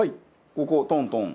ここトントン。